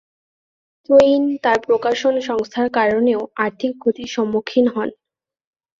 Twain তার প্রকাশন সংস্থার কারণেও আর্থিক ক্ষতির সম্মুখীন হন।